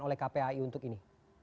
oleh kpai untuk ini